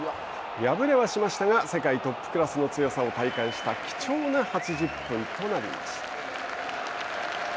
敗れはしましたが世界トップクラスの強さを体感した貴重な８０分となりました。